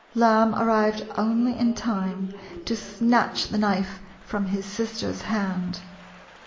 Lamb arrived only in time to snatch the knife from his sister's hand.